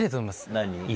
何？